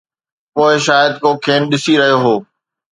پوءِ شايد ڪو کين ڏسي رهيو هو.